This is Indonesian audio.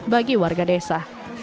bagi warga desa